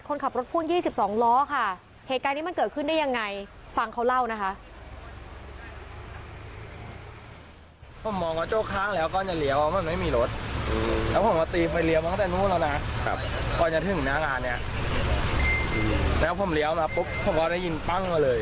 คนขับรถพ่วง๒๒ล้อค่ะเหตุการณ์นี้มันเกิดขึ้นได้ยังไงฟังเขาเล่านะคะ